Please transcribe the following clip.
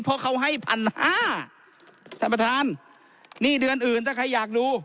เพราะเขาให้พันห้าท่านประธานหนี้เดือนอื่นถ้าใครอยากดู